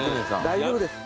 大丈夫です。